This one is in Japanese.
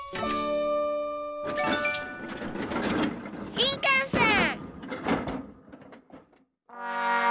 しんかんせん。